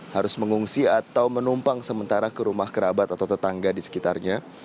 harus mengungsi atau menumpang sementara ke rumah kerabat atau tetangga di sekitarnya